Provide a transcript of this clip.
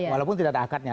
walaupun tidak ada akadnya